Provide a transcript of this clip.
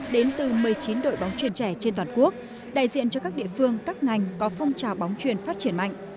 đến từ một mươi chín đội bóng truyền trẻ trên toàn quốc đại diện cho các địa phương các ngành có phong trào bóng truyền phát triển mạnh